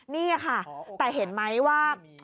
นี่ค่ะแต่เห็นไหมว่า